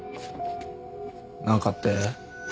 何かって？